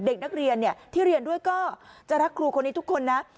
เด็กนักเรียนที่เรียนด้วยก็จะรักครูคนนี้ทุกคนนะ